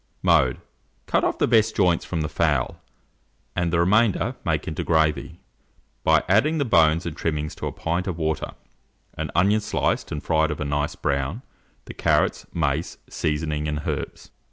Mode. Cut off the best joints from the fowl, and the remainder make into gravy, by adding to the bones and trimmings a pint of water, an onion sliced and fried of a nice brown, the carrots, mace, seasoning, and herbs.